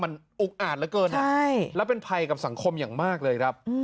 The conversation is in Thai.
มันอุกอาจเหลือเกินและเป็นภัยกับสังคมอย่างมากเลยครับ